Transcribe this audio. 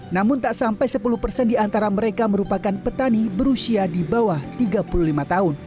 namun tak sampai sepuluh persen di antara mereka merupakan petani berusia di bawah tiga puluh lima tahun